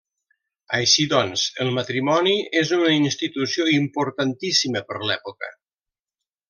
Així doncs, el matrimoni és una institució importantíssima per l'època.